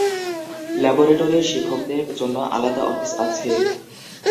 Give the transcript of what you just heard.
ল্যাবরেটরির শিক্ষকদের জন্য আলাদা অফিস আছে।